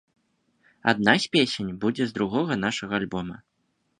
Адна з песень будзе з другога нашага альбома.